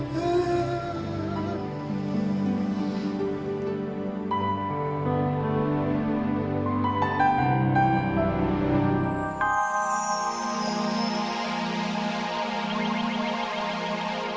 terima kasih ibu